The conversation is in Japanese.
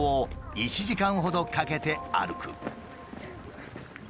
１時間ほどかけて歩く。